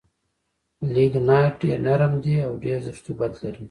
لېګنایټ ډېر نرم دي او ډېر رطوبت لري.